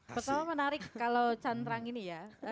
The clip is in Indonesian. pertama menarik kalau cantrang ini ya